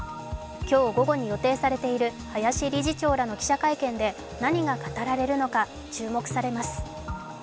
今日午後に予定されている林理事長らの記者会見で何が語られるのか注目されます。